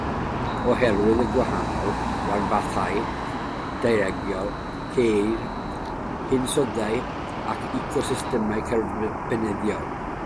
Oherwydd y gwahanol ranbarthau daearegol ceir hinsoddau ac ecosystemau cyferbyniol.